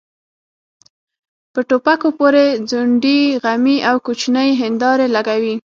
په ټوپکو پورې ځونډۍ غمي او کوچنۍ هيندارې لګوي.